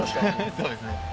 そうですね。